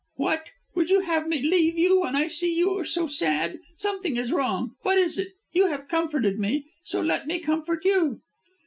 "What! Would you have me leave you when I see you so sad? Something is wrong? What is it? You have comforted me, so let me comfort you."